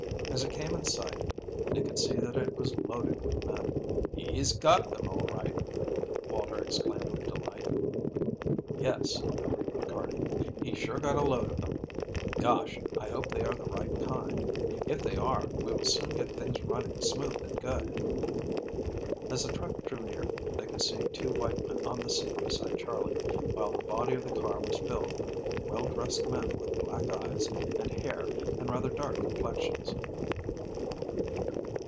As it came in sight they could see that it was loaded with men. "He's got them all right," Walter exclaimed with delight. "Yes," agreed McCarty, "he's sure got a load of them. Gosh, I hope they are the right kind. If they are, we will soon get things running smooth and good." As the truck drew near, they could see two white men on the seat beside Charley, while the body of the car was filled with well dressed men with black eyes and hair and rather dark complexions.